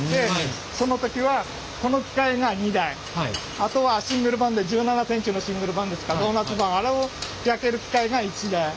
あとはシングル盤で１７センチのシングル盤ですかドーナツ盤あれを焼ける機械が１台。